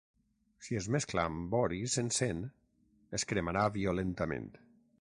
Si es mescla amb bor i s'encén, es cremarà violentament.